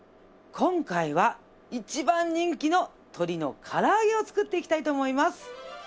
今回は一番人気の鶏のから揚げを作っていきたいと思います。